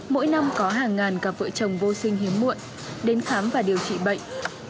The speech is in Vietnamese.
mỗi năm có hàng ngàn cặp vợ chồng vô sinh hiếm muộn đến khám và điều trị bệnh